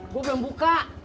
gue ga buka